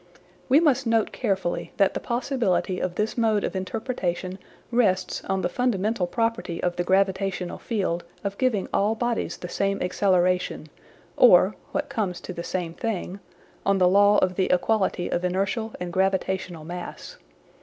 We must note carefully that the possibility of this mode of interpretation rests on the fundamental property of the gravitational field of giving all bodies the same acceleration, or, what comes to the same thing, on the law of the equality of inertial and gravitational mass.